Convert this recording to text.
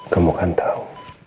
kamu kan tahu